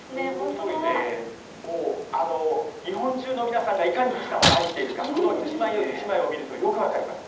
もう、日本中の皆さんがいかに富士山を愛しているか、この一枚一枚を見るとよく分かります。